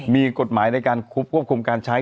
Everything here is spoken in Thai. มีกฎหมายในการควบคุมการใช้